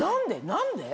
何で？